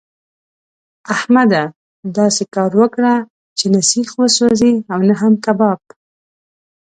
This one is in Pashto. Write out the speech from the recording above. احمده! داسې کار وکړه چې نه سيخ وسوځي او نه هم کباب.